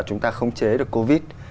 chúng ta không chế được covid